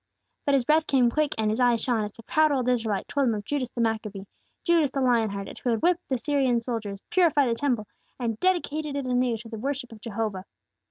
But his breath came quick, and his eyes shone, as the proud old Israelite told him of Judas the Maccabee, Judas the lion hearted, who had whipped the Syrian soldiers, purified the Temple, and dedicated it anew to the worship of Jehovah.